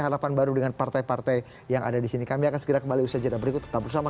hadapan baru dengan partai partai yang ada di sini kami akan segera kembali saja berikut tetap sama